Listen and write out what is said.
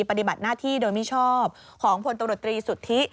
ปฏิบัติหน้าที่โดยมิชอบของพลตำรวจตรีสุทธิ